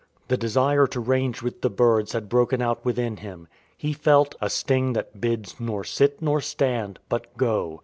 The desire to range with the birds had broken out within him. He felt "A sting that bids Nor sit, nor stand — but go."